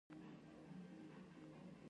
خرڅلاو د توکو پلورل دي.